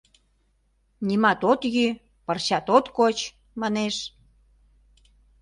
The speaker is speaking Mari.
Нимат от йӱ, пырчат от коч! — манеш.